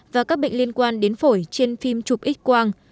và các bệnh liên quan đến phổi trên phim chụp x quang